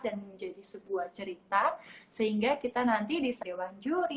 dan menjadi sebuah cerita sehingga kita nanti bisa diwajuri